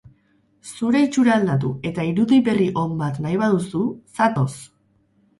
Zure itxura aldatu eta irudi berri on bat nahi baduzu, zatoz!